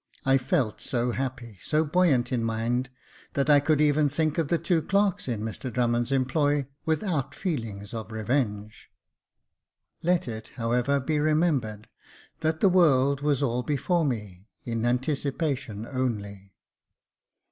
I felt so happy, so buoyant in mind, that I could even think of the two clerks in Mr Drummond's employ without feelings of revenge. Let Jacob Faithful 251 it, however, be remembered, that the world was all before me in anticipation only.